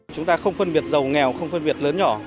chúng ta không phân biệt giàu nghèo không phân biệt lớn nhỏ